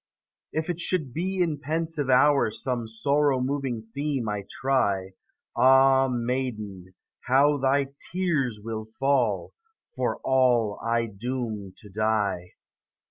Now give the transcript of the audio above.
If it should be in pensive hour Some sorrow moving theme I try, Ah, maiden, how thy tears will fall, For all I doom to die!